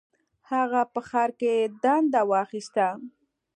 هغه په ښار کې دنده واخیسته.